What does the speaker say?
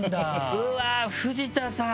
うわぁ藤田さん